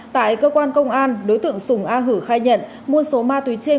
tại cơ quan công an đối tượng sùng a hử khai nhận mua số ma túy trên